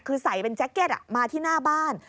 คือใส่เป็นแจ็คเก็ตมาที่หน้าบ้าน